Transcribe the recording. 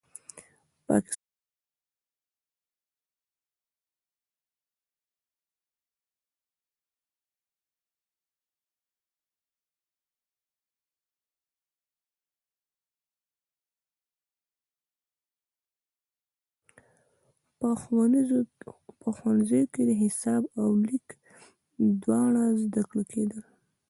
په ښوونځیو کې د حساب او لیک دواړه زده کېدل.